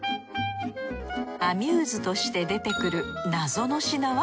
アミューズとして出てくる謎の品は？